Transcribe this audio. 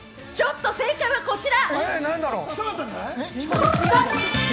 正解はこちら！